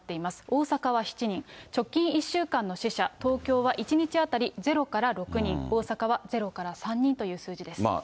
大阪は７人、直近１週間の死者、東京は１日当たり０から６人、大阪は０から３人という数字です。